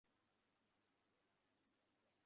Please আবার বলো।